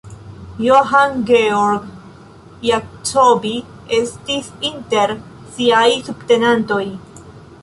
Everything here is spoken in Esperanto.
Johann Georg Jacobi estis inter siaj subtenantoj.